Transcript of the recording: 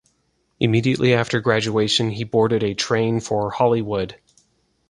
Immediately after graduation, he boarded a train for Hollywood.